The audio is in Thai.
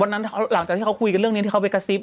หลังจากที่เขาคุยกันเรื่องนี้ที่เขาไปกระซิบ